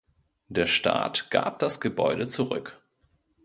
Der Staat gab das Gebäude zurück.